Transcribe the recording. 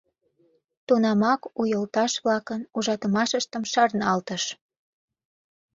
Тунамак у йолташ-влакын ужатымыштым шарналтыш.